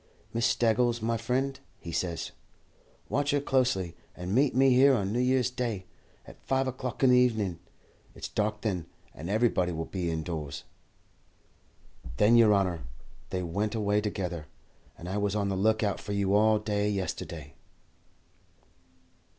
'Miss Staggles, my friend,' he says, 'watch her closely, and meet me here on New Year's Day, at five o'clock in the evening. It's dark then, and everybody will be indoors.'" "Then, yer honour, they went away together, and I was on the look out for you all day yesterday."